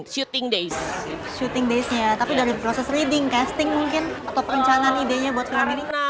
shooting daysnya tapi dari proses reading casting mungkin atau perencanaan ideanya buat film ini